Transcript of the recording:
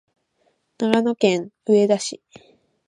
長野県上田市